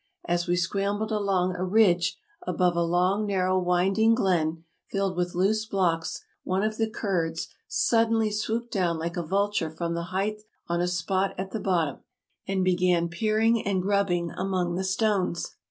As we scrambled along a ridge above a long, narrow, winding glen filled with loose blocks, one of the Kurds suddenly swooped down like a vulture from the height on a spot at the bottom, and began peering and grubbing among the stones.